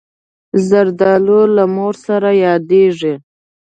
زردالو له مور سره یادېږي.